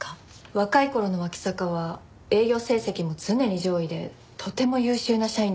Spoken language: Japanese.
若い頃の脇坂は営業成績も常に上位でとても優秀な社員でした。